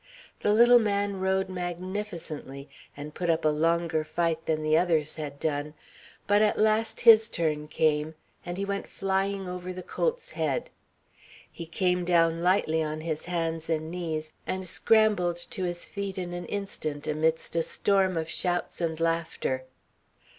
The little man rode magnificently, and put up a longer fight than the others had done, but at last his turn came, and he went flying over the colt's head. He came down lightly on his hands and knees, and scrambled to his feet in an instant amidst a storm of shouts and laughter.